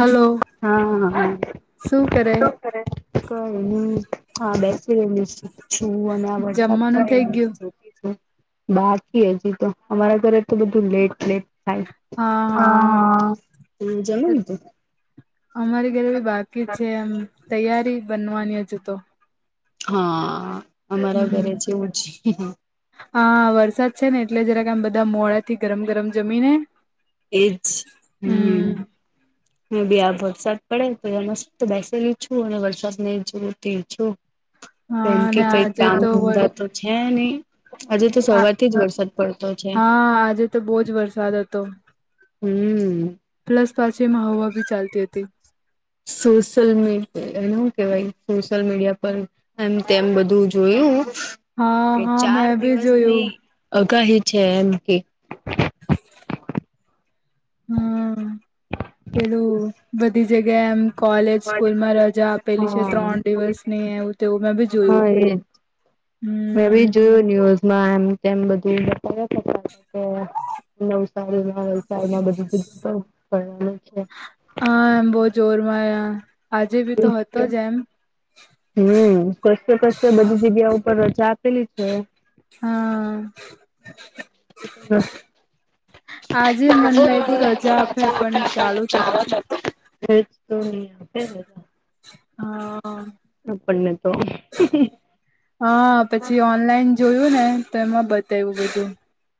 Hello હા હ [inaudible] કરે કઈની હા બેસી રેયલી છું અને આ વોટ્સઅપ જમવાનું થઇ કરેલું ગયું બાકી હજી તો અમારા ઘરે આટલું તો બધું લેટ લેટ થાય હા હા હા જમી લીધું અમારી ઘરે બી બાકી છે એમ તૈયારી બનવાની હજુ તો હા અમારા ઘરે હમ જેવું જ છે. હા વરસાદ છે ને એટલે જરાક આમ બધા મોડાથી ગરમ ગરમ જમીને એજ હમ્મ. હમ હ બી આ વરસાદ પડે મસ્ત બેસેલી છું અને વરસાદ ને જોવતી છું હા કેમ કે અને કઈ આજે કામ તો વર ધંધા તો છે નહી આજે તો આ સવાર થી જ વરસાદ પડતો છે. હા આજે તો બહુ જ વરસાદ હતો હમ્મ. પ્લસ પાછી એમાં હવા ભી ચાલતી હતી. સોશિયલ મી એને શું કેવાય સોશિલ મીડિયા પર એમ તેમ બધું જોયું હા હા મેં ભી જોયું અગાહી છે એમ કે [inaudible] હમ્મ પેલું બધી જગ્યા એમ કોલેજ સ્કૂલમાં રજા આપેલી છે હા ત્રણ દિવસ ની એવું તેવું મેં બી જોયું હા એજ મેં હમ બી જોયું ન્યૂઝ મા આમ તેમ બધું [unintelligible] વરસાદ મા બધું ભિનુ પણ બધું છે. હા એમ બહું જોરમાંયા આજે બી તો હતો જ એમ હમ્મ ક‌ઈ ક તો કોઈ ક બધી જગ્યા ઉપર રજા આપેલી છે. હા. આજે મને લાગ્યું રજા આપે પણ ચાલુ જ હતું એજ તો નહી આપે ને. હા. આપણને તો. હા પછી ઓનલાઈન જોયું ને તો એમાં બતાવ્યું બધું.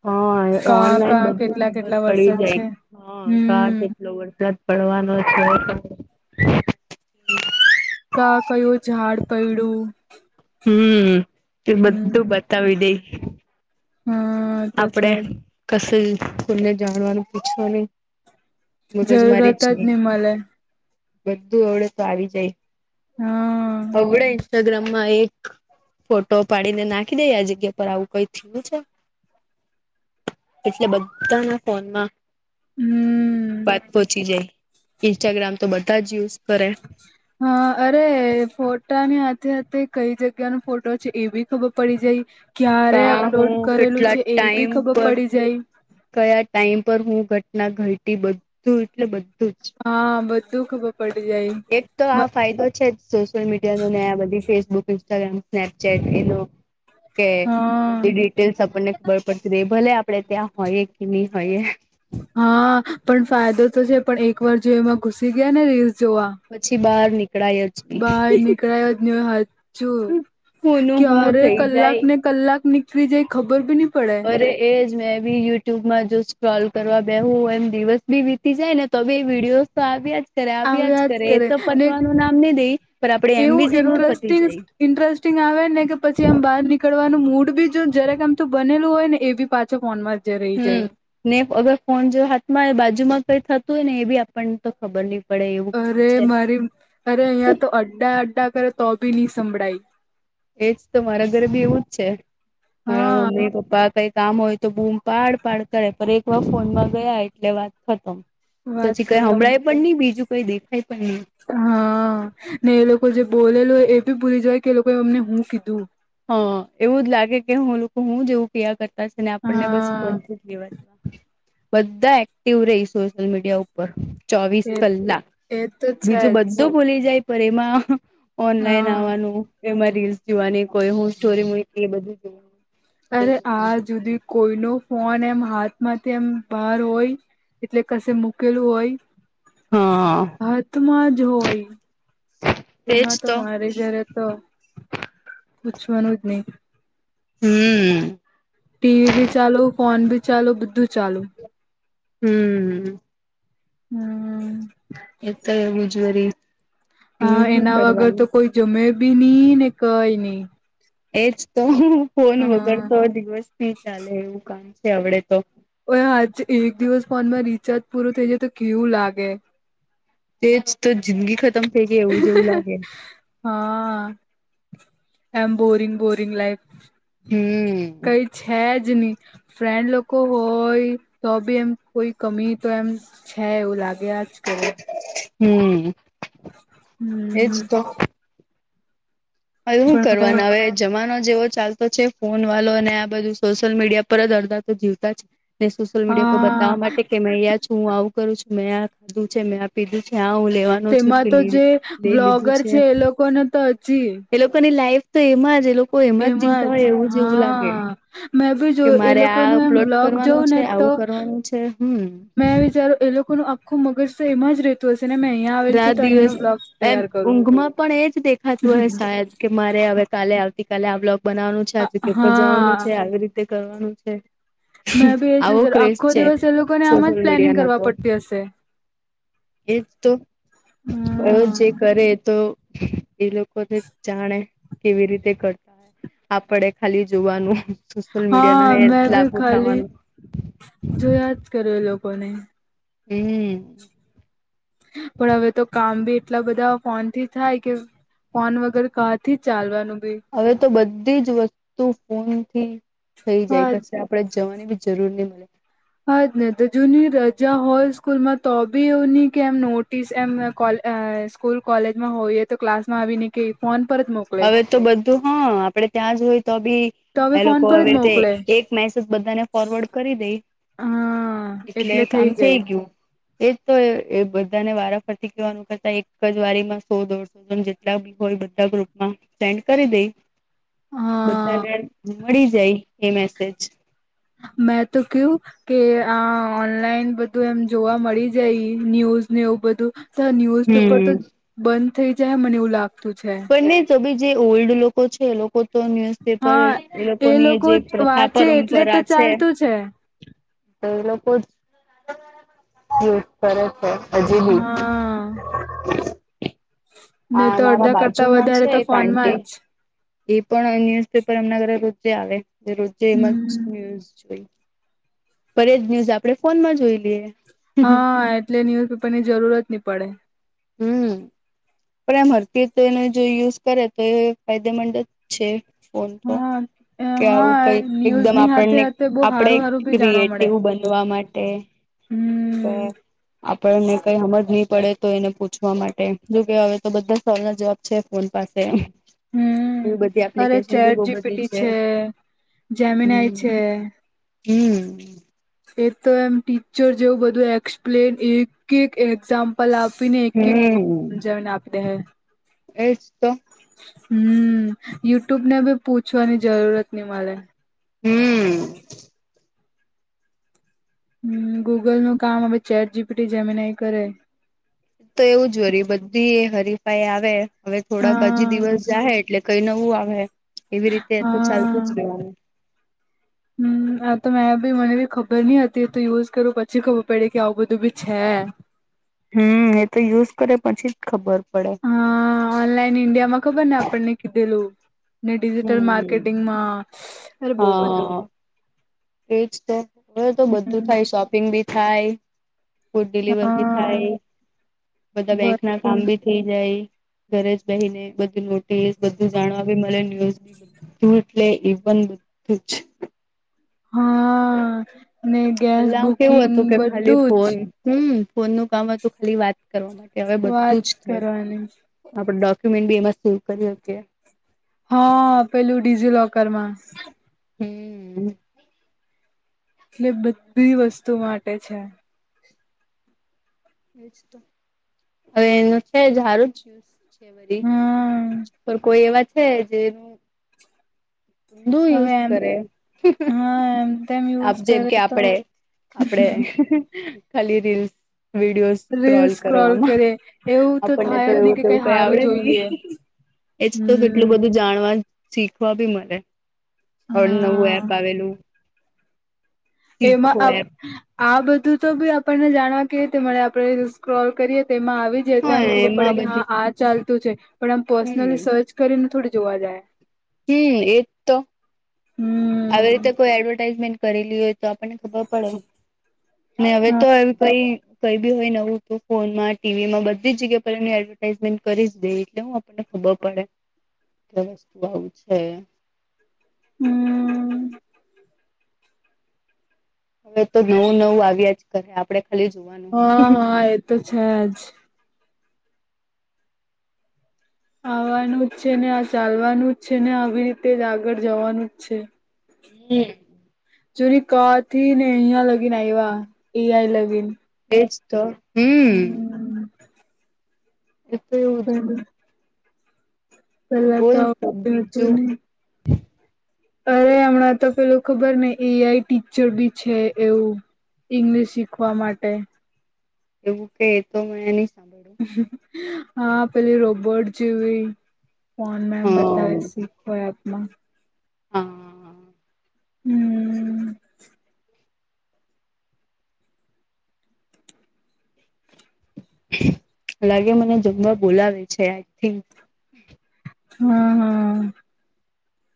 હા કા કા ઓ-ઓનલાઈન બધું કેટલા ખબર કેટલા પડી વરસાદ જાય. છે હા કા હમ કે એટલો વરસાદ પડવાનો છે. કા કયો ઝાડ પડ્યું હમ્મ, તે બધ્ધું હમ બતાવી દઈ. હા. તો આપડે છે કશું કોને જાણવાનું પૂછવુ નહીં. જ મગજ મારીજ જરૂરત છે. જ નહી મળે બધું અવડે તો આવી જાય. હા. હવડે ઇન્સ્ટાગ્રામમાં એક ફોટો પાડીને નાખી દઈ યે આ જગ્યા પર આવું કઈ થયું છે એટલે બધાના ફોનમાં હમ વાત પહોંચી જાય. ઇન્સ્ટાગ્રામ તો બધા જ યુઝ કરે હા અરે ફોટાની સાથે સાથે કઈ જગ્યા નો ફોટો છે એ બી ખબર પડી જાય. ક્યારે કા હું અપલોડ કરેલું કેટલા છે એ બી ટાઈમ ખબર પર પડી જાય. કયા ટાઈમ પર હું ઘટના ઘટી બધું એટલે બધું જ હા બધું ખબર પડી જાય. એક તો આ બ- ફાયદો છે જ સોશિયલ મીડિયા નો ને આ બધી ફેસબુક ઇન્સ્ટાગ્રામ સ્નપચેટ એનો કે હા બધી ડી તેજ આપણને ખબર પડતી રે ભલે આપડે ત્યાં હોઈએ કે નહી હોઈએ. હા પણ ફાયદો તો છે પણ એક વાર જો એમાં ઘુસી ગયા ને રીલ્સ જોવા પછી બહાર નીકળાય જ નહી. ગયાજ ને હાચુ હુંનું હું ક્યારે થઈ કલાક જાય ને કલાક નીકળી જાય ખબર બી નઇ પડે. તે એજ ને મેં બી યુટ્યુબમાં જો સ્ક્રોલ કરવા બેહુ એમ દિવસ વીતી જાય ને તો બી વિડિઓઝ તો આવ્યા જ કરે આવ્યા જ કરે એ તો પતવાનું નામ નહી દઈ પણ આપડે એમ બી એવું જરૂર પતી ઇન્ટરેસ્ટિંગ જાય. ઇન્ટરેસ્ટિંગ આવે ને કે પછી આમ બહાર નીકળવાનું મૂડ બી જો જરાક આમ તો બનેલું હોય ને એ બી પાછો ફોનમાં જ રહી હમ્મ જાય ને અગર ફોન જો હાથમાં બાજુમાં કઈ થતું હોય ને એ બી આપણને તો ખબર નહીં અરે મારી અરે અહીયાં તો અડ્ડા અડ્ડા કરે તો બી નહી સંભળાય. એજ તો મારા ઘરે બી એવું જ છે મારા હા મમ્મી પપ્પા કઈક કામ હોય તો બૂમ પાડ પાડ કરે પણ એક વાર ફોનમાં ગયા એટલે વાત ખતમ. વાત પછી કઈ ખતમ હળાય પણ નહી બીજું કઈ દેખાય પણ નઇ. હા ને એ લોકો જે બોલેલ હોય એ ભી ભૂલી જાય કે એ લોકોએ અમને હું કીધું. હા એવું જ લાગે કે હુંલૂ હું જેવું કયા કર તા છે ને આપણને બસ હા ફોથી લેવા દેવા બધા એક્ટિવ રહી સોશિયલ મીડિયા ઉ પર ચોવીસ એ કલાક એ તો છે બીજું જ બધું ખોલી જાય પર એમાં હા ઓનલાઈન આવવાનું એમાં રીલ્સ જોવાની કોઈ હું સ્ટોરી મોઈ એ બધું કઈ અરે આજ હુધી કોઈ નો ફોન એમ હાથમાંથી એમ બહાર હોય એટલે કશે મુકેલું હોય હા હાથ માં જ હોય તેમાં તો મારે ઘરે તો પૂછવાનું જ નઇ. હમ ટીવી ભી ચાલુ ફોન ભી ચાલુ બધું ચાલુ. હમ હમ એ તો એવું જ [inaudible] હા એના વગર તો કરવાનું કોઈ જમે બી નઈ ને કઈ નઈ. એજ તો ફોન વગર હા તો દિવસ થી ચાલે એવું કામ છે આવડે તો. ઓ આજ એક દિવસ ફોનમાં રિચાર્જ પૂર થઈ જાય તો કેવું લાગે. તેજ તો જિંદગી ખતમ થઈ ગઈ એવું જેવું લાગે. હા આ એમ બોરિંગ બોરિંગ લાઈફ. હમ કઈ છે જ નઇ. ફ્રેન્ડ લોકો હોય તો બી એમ કોઈ કમી એમ છે એવું લાગ્યા જ કરે. હમ એજ હમ તો હવે હું કરવાના હવે જમાનો જેવો ચાલતો છે ફોન વાળો અને આ બધું સોશિયલ મીડિયા પર જ અરધા તો જીવતા જ ને સોશિયલ મીડિયા પર હા બતાવા માટે કે મેંયા છું હું આવું કરું છું મેં આ ખાધું છે મે આ. પીધું છે હા હું લેવાનો છું કે તેમાં તો લે જે લીધું બ્લોગર છે. [unintelligible] તો હજુ. એ લોકોની લાઈફ તો એમાં જ એ લોકો એમાં જ જીવતા હોય એવું જ એવું લાગે. હા મેં બી જો કે એ મારે લોકોનું આ એમ પ્લોટ બ્લોગ કરવાનું જોઉં છે ને તો આવું કરવાનું છે હમ. મેં વિચારો એ લોકો ન આખું મગજ છે એમાં જ રત તો સે ને મેઘ રાત દિવસ એમ ઊંઘમાં પણ એજ દેખાતું હ શાયદ. કે મારે હવે કાલે આવતી કલે આ બ્લોગ બનાવાનું છે [unintelligible] જવાનું હા છે આવી રીતે કરવાનું છે મેં બી એજ આવો વિચાર ક્રેઝ આખો છે દિવસ એ લોકોને આમ જ સોશિયલ પ્લાનિંગ મીડિયા ન કરવા તો. પડતી હશે એજ તો એ હમ જે કરે એ તો. એ લોકોને જાણે કેવી રીતે કરતા હોય આપડે ખાલી જોવાનું, સોશિયલ મીડિયા હા ના બે-બે લાભ ખાલી ઉઠાવવાનું જોયા જ એ લોકોને, હે, પણ હવે તો કામ ભી એટલા બધા ફોનથી થાય કે, ફોન વગેરે કાથી ચાલવાનું ભી, હવે તો બધી જ વસ્તુ ફોનથી થઈ જાય હા પશે, આપણે જવાની ભી જરૂર નહીં મળે, હાજ નહીં તો જૂની રજા હોય સ્કૂલમાં તો ભી એવું નહીં કે એમ નોટિસ એમ કોલ. સ્કૂલ કોલેજમાં હોયએ તો ક્લાસમાં આવીને ફોન પર મોકલે. હવે તો બધું હા આપડે ત્યાં જ હોય તોભી, તો એ ફોન લોકો પર હવે જ રીતે મોકલે એક મેસેજ બધાને ફોરવર્ડ કરી દે, હા એટલે કામ થઈ ગયું, એજ તોએ બધાને વારાફરતી કવાનું કરતા એક જ વારીમાં સો દોડશે. જેટલા ભી હોય બધા ગ્રુપમાં સેન્ડ કરી દે, હા [inaudible] [unintelligible] મળી જાય એ મેસેજ, મેં તો કેવું? કે આ ઓનલાઈન બધું એમ જોવા મળી જાય ને ન્યુજ ને એવું બધું. તો ન્યુઝ પેપર તો હમ્મ. બંધ થઇ જાય મને એવું લાગતું છે. [unintelligible] તો ભીજે ઓલ્ડ છે, એ લોકો. તો ન્યુઝપેપર હા એ લોકોની લોકો જે પ્રથા વાંચે એટલે તો પરંપરા છે. ચાલતું [unintelligible] કરે છે. અજયભીત હા [unintelligible] નહી આ તો મારા અડધા કરતા બાજુમાં વધારે છે, તો એક ફોનમાં આંટી. જ એ પણ ન્યુઝપેપર એમના ઘરે રોજે આવે રોજે એમ હમ [unintelligible] ન્યૂઝ જોઈ. પર જ ન્યૂઝ આપણે ફોનમાં જોઈ લઈએ. હા એટલે ન્યુઝપેપર ની જરૂરત ની પડે. હમ. પણ [unintelligible] તો એને જો યુઝ કરેતો એ ફાયદેમંદ જ છે. ફોન તો હા કે આવું હા કંઈ એકદમ ન્યૂઝની હાથે આપણને હાથે બહુ આપણેે હારું હારું બી જાણવા મળે ક્રિએટિવ બંને. જોવા માટે, હમ આપણને કંઈ હમજ નહીં પડે તો એને પૂછવા માટે. હવે તો બધા સવાલના જવાબ છે, ફોન પાસે. એવી બધી હમ અરે એપ્લિકેશન ભી ચેટ બહુ બધી જીપીટી છે, હમ જેમિનાય છે હમ એતો એમ ટીચર જેવું બધું એક્સપ્લેન એક એક એક્ઝામ. પલ આપીને એક એક વજન આપે. એજતો, હમ યુટ્યુબને ભી પૂછવાની જરૂરત નહીં મળે. હમ. હમ ગૂગલનું કામ હવે ચેટ જીપીટી જેમીનઈ કરે. તો એવું જ હોરી બધી હરીફાઈ આવે હવે થોડાક હજી હા દિવસ જાહે એટલે, કંઈ નવું આવે એવી રીતે તો ચાલતું જ હા રહેનું. હમ. આતો મેં બી મને બી ખબર નહીં હતી તો યુઝ કરું પછી ખબર પડી કે આવું બધું બી છે. હમ એતો યુઝ કરે પછી જ ખબર પડે. હા ઓનલાઈન ઇન્ડિયામાં ખબરને આપણને કીધેલું. ને ડિજિટલ હમ માર્કેટિંગમાં અરે બહુ બધું. હા એજ તો હવે તો બધું હમ થાય શોપિંગ બી થાય. ફૂડ ડિલિવર બી હા થાય બધા બેંક ના બધું કામ બી થઈ જાય ઘરે જ બહી ને બધું નોટી બધું જાણવા બી મળે ન્યૂઝ. એટલે [unintelligible] હા ને ગેસ પલા કેવું બુકિંગ હતું કે ખાલી બધું ફોન જ હમ ફોન નું કામ હતું ખાલી વાત કરવા. કે હવે વાત બધું જ થાય કરવાની આપણે ડોક્યુમેન્ટ બી એમાં સેવ કરી [inaudible] હા પેલું ડીજીલોકર માં. હમ્મ. એટલે બધી વસ્તુ માટે છે. હવે એનું [unintelligible] હારું જ [unintelligible] પણ કોઈ એવા છે જે બહુ હવે યુઝ એમ કરે. હા એમ તેમ આપ યુઝ જેમ કરે કે તો આપડે આપડે ખાલી રીલ્સ વિડીયોઝ રીલ સ્ક્રોલ કરો આમાં કરે એવું આપણને થાય તો જ નહી એવું કે કેવું કઈ હારું આવડે જોઈ નહી. લઈએ એજ તો હમ કેટલું બધું જાણવા શીખવા બી મળે નવું હા એપ આવેલું. એમાં શીખો આપ એપ આ બધું તો બી આપણને જાણવા કેવી રીતે મલે આપણે સ્ક્રોલ કરીએ તેમાં આવી જતા હા એમ ખબર પડે એમાં કે હા બધી આ ચાલતું છે પણ આમ હમ પર્સનલી સર્ચ કરીને થોડી જોવા જાય. તે એ હમ્મ. [inaudible] આવી રીતે કોઈ એડવર્ટાઈઝમેન્ટ કરેલી હૈ તો આપણને ખબર પડે હવે તો હા અએમ કઈ કઈ બી હોય નવું તો ફોનમાં ટીવીમાં બધી જગ્યા પર એમની એડવર્ટાઈઝમેન્ટ કરી જ દે એટલે હું. આપને ખબર પડે કે વસ્તુ આવું છે. હમ્મ. [inaudible] [inaudible] હવે તો નવું નવું આવ્યા જ કરે આપડે ખાલી જોવાનું હોય. તોછે જ. આવવાનું જ છે ને આ ચાલવાનું જ છે ને આવી રીતે જ આગળ જવાનું જ છે. હમ્મ. જોની ક થી ને અહંયા લગીન આ વા એ આઈ લગીન. એજ તો. હમ હમ્મ‌. [inaudible] [inaudible] પહેલા તો બોલ આવતું [unintelligible] બીજું નહીં. અરે હમણાં તો પેલું ખબર ને એઆઈ ટીચર બી છે એવું. ઇંગ્લિશ શીખવા માટે એવું કે એ તો મેં ની સાભ હા પેલી રોબોટ જેવી ફોન હ મેમ બતાવે શીખો એપ માં. હાઆઆ હમ્મ. [inaudible] લાગે મને જમવા બોલાવે છે આઈ થિંક. હા હા.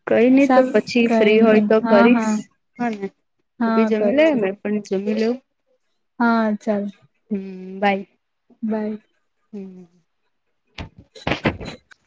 કઈ નહી તો ચાલ પછી કઈ ફ્રી હોય નહી તો હા કરીશ હા હા ને તું હા બી કર જમી લે છે મ. પણ જમી લેવું. હા ચલ. હમ્મ, બાય. બાય. હમ્મ. [inaudible]